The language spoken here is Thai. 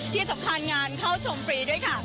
ที่สำคัญงานเข้าชมฟรีด้วยค่ะ